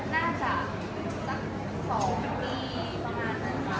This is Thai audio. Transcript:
น่าจะสัก๒ปีประมาณนั้นค่ะ